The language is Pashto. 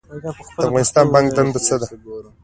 د افغانستان بانک دنده څه ده؟